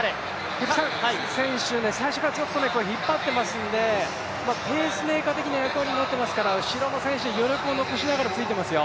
キプサング選手、最初から引っ張っていますので、ペースメーカー的な役割になっていますから、後ろの選手余力を残しながらついていますよ。